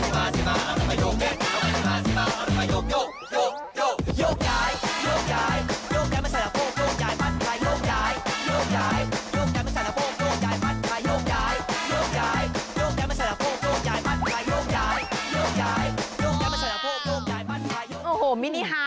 ถ้าปล่อยความห่วงใหญ่ของเขา